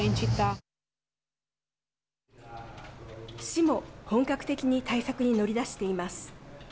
市も本格的に対策に乗り出しています。